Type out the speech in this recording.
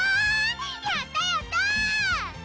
やったやった！